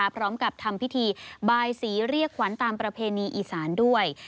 พร้อมกับทำพิธีบายสีเรียกขวัญตามประเพณีอีสานด้วย